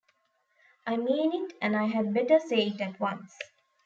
I mean it, and I had better say it at once.